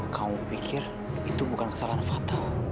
kau pikir itu bukan kesalahan fatal